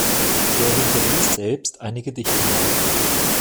Er hinterließ selbst einige Dichtungen.